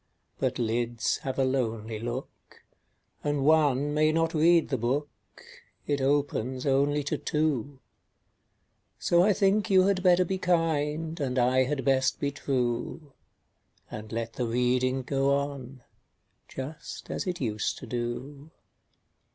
But lids have a lonely look, And one may not read the book It opens only to two; So I think you had better be kind, And I had best be true, And let the reading go on, Just as it used to do.